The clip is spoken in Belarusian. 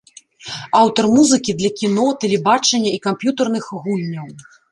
Аўтар музыкі для кіно, тэлебачання і камп'ютарных гульняў.